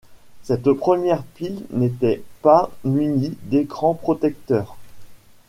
Cette première pile n'était pas munie d'écrans protecteurs.